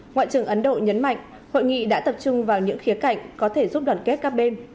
ngoại trưởng ấn độ nhấn mạnh hội nghị đã tập trung vào những khía cạnh có thể giúp đoàn kết các bên